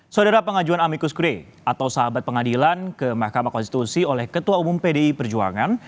saudara pengajuan amikus kre atau sahabat pengadilan ke mahkamah konstitusi oleh ketua umum pdi perjuangan